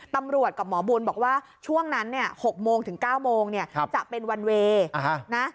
ตำรวจกับหมอบุญบอกว่าช่วงนั้น๖โมงถึง๙โมงเนี่ยจะเป็นวันเวย์นะ